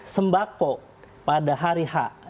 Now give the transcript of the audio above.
sembako pada hari ha